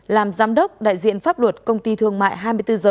làm giám đốc đại diện pháp luật công ty thương mại hai mươi bốn h